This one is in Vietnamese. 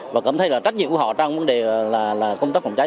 và cảm thấy trách nhiệm của họ trong vấn đề công tác phòng cháy